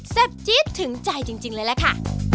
จี๊ดถึงใจจริงเลยล่ะค่ะ